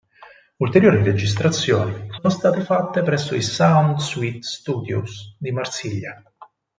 Ulteriori registrazioni sono state fatte presso i Sound Suite Studios di Marsiglia.